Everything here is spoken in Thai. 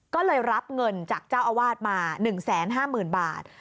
ก็เลยรับเงินจากเจ้าอาวาสมา๑๕๐๐๐บาท